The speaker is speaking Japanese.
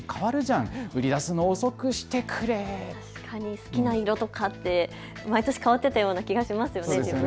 好きな色とかって毎年変わってたような気がしますよね。